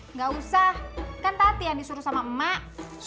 nggak usah kan tati yang disuruh sama emak